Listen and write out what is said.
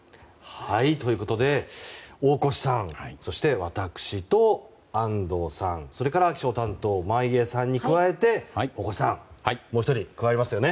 ということで大越さん、そして私と安藤さん、それから気象担当、眞家さんに加えて大越さんもう１人、加わりますよね。